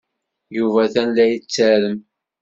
Yuba atan la yettarem.